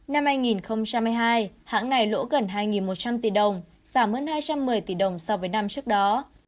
năm hai nghìn hai mươi hai hãng này lỗ gần hai một trăm linh tỷ đồng giảm hơn hai trăm một mươi tỷ đồng so với năm trước đó